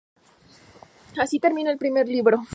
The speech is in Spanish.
Así termina el primer libro.